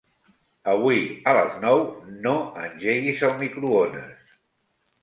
Avui a les nou no engeguis el microones.